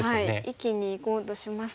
生きにいこうとしますが。